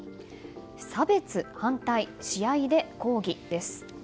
差別反対、試合で抗議です。